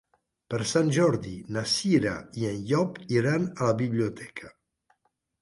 Per Sant Jordi na Cira i en Llop iran a la biblioteca.